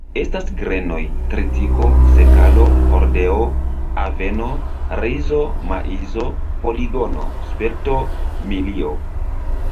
Estas grenoj: tritiko, sekalo, hordeo, aveno, rizo, maizo, poligono, spelto, milio.